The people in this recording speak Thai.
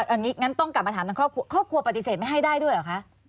อันนี้งั้นต้องกลับมาถามทางครอบครัวครอบครัวปฏิเสธไม่ให้ได้ด้วยเหรอคะ